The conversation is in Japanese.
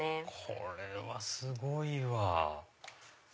これはすごいわ！